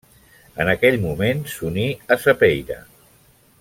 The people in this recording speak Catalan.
En aquell moment s'uní a Sapeira.